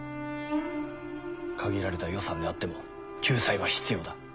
限られた予算であっても救済は必要だ。